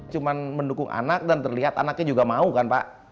cuma mendukung anak dan terlihat anaknya juga mau kan pak